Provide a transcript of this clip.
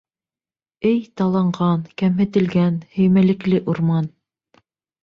Эй, таланған, кәмһетелгән, һөймәлекле урман!..